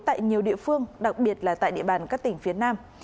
tại nhiều địa phương đặc biệt là tại địa bàn các tỉnh phía nam